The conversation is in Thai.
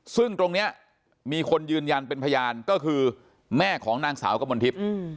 ซึ่งตรงนี้มีคนยืนยันเป็นพยานก็คือแม่ของนางสาวกมลทิพย์